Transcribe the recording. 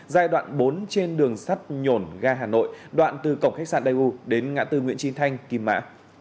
giai đoạn bốn trên đường sắt nhổn ga hà nội đoạn từ cổng khách sạn đài u đến ngã tư nguyễn trinh thanh kim mã